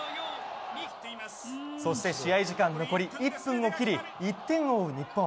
そして試合時間残り１分を切り１点を追う日本。